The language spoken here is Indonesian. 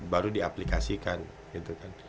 baru diaplikasikan gitu kan